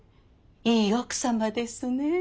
いい奥様ですね。